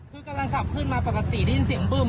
คือกำลังสับขึ้นมาปกติได้ยินเสียงบึ้ม